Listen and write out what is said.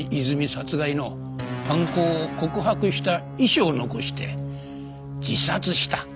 殺害の犯行を告白した遺書を残して自殺した。